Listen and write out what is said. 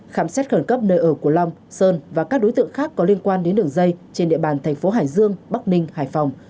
khám xét khẩn cấp nơi ở của long sơn và các đối tượng khác có liên quan đến đường dây trên địa bàn thành phố hải dương bắc ninh hải phòng